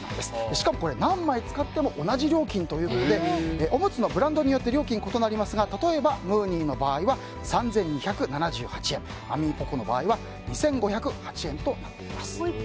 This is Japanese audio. しかもこれ、何枚使っても同じ料金ということでおむつのブランドによって料金が異なりますが例えばムーニーの場合は３２７８円マミーポコの場合は２５０８円となっています。